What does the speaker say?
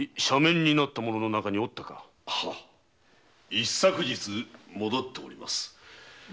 一昨日戻っております。